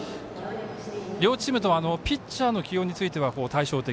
両チームともピッチャーの起用については対照的。